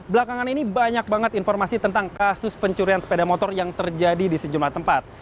belakangan ini banyak banget informasi tentang kasus pencurian sepeda motor yang terjadi di sejumlah tempat